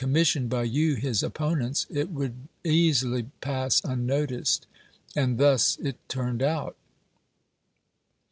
missioned by you his opponents, it would easily pass unnoticed. An thus it turned out.